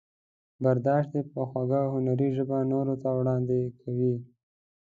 برداشت یې په خوږه هنري ژبه نورو ته وړاندې کوي.